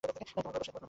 তােমার কোন দোষ নাই।